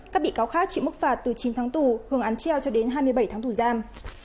các bị cáo khác chịu mức phạt từ chín tháng tù hưởng án treo cho đến hai mươi bảy tháng tù giam